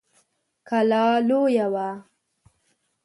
کلا لويه وه.